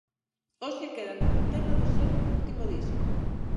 Hoxe quedan cun tema do seu último disco.